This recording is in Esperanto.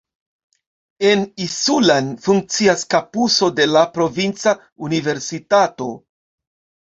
En Isulan funkcias kampuso de la provinca universitato.